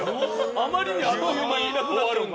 あまりにあっという間に終わるので。